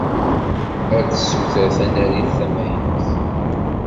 Ad tessuter tanarit tamaynut.